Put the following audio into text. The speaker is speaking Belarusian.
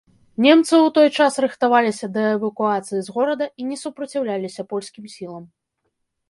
Немцы ў той час рыхтаваліся да эвакуацыі з горада і не супраціўляліся польскім сілам.